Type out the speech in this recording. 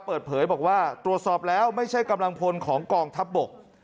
เปิดเผยบอกว่าตรวจสอบแล้วไม่ใช่กำลังพลของกองทัพบก